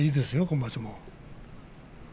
今場所も。